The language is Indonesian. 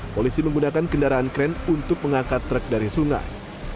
polisi menggunakan kendaraan kren untuk mengangkat truk dari sungai